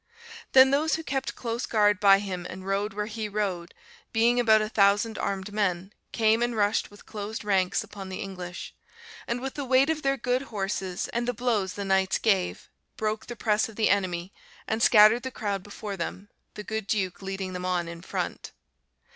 "Then those who kept close guard by him and rode where he rode, being about a thousand armed men, came and rushed with closed ranks upon the English; and with the weight of their good horses, and the blows the knights gave, broke the press of the enemy, and scattered the crowd before them, the good Duke leading them on in front.